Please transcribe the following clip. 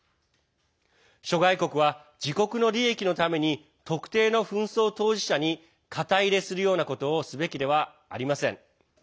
諸外国は自国の利益のために特定の紛争当事者に肩入れするようなことをすべきではありません。